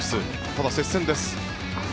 ただ、接戦です。